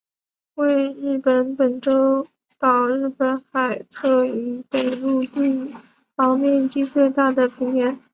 为日本本州岛日本海侧与北陆地方面积最大的平原。